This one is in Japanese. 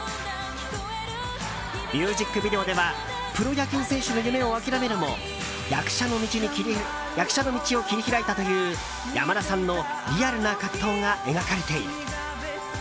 ミュージックビデオではプロ野球選手の夢を諦めるも役者の道を切り開いたという山田さんのリアルな葛藤が描かれている。